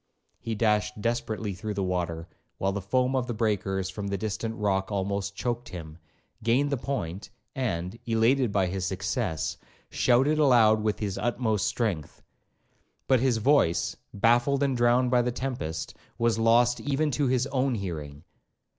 He dashed desperately through the water, while the foam of the breakers from a distant rock almost choaked him, gained the point, and, elated by his success, shouted aloud with his utmost strength. But his voice, baffled and drowned by the tempest, was lost even to his own hearing.